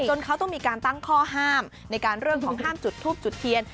เขาต้องมีการตั้งข้อห้ามในการเรื่องของห้ามจุดทูบจุดเทียน